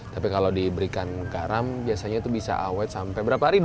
tapi kalau diberikan karam biasanya itu bisa awet sampai berapa ribu